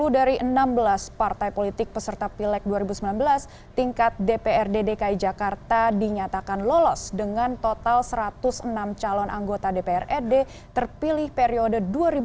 sepuluh dari enam belas partai politik peserta pilek dua ribu sembilan belas tingkat dprd dki jakarta dinyatakan lolos dengan total satu ratus enam calon anggota dprd terpilih periode dua ribu sembilan belas dua ribu dua puluh